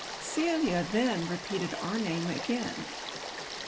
Celia then repeated our name again.